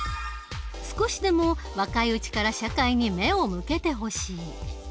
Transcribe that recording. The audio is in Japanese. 少しでも若いうちから社会に目を向けてほしい。